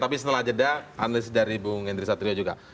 tapi setelah jeda analis dari bung hendry satrio juga